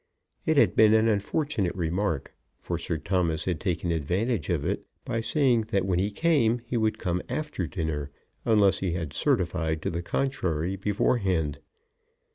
It had been an unfortunate remark, for Sir Thomas had taken advantage of it by saying that when he came he would come after dinner, unless he had certified to the contrary beforehand.